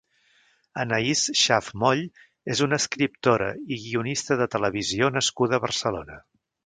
Anaïs Schaaff Moll és una escriptora i guionista de televisió nascuda a Barcelona.